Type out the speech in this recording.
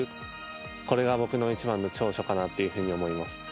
これが一番の僕の長所かなというふうに思います。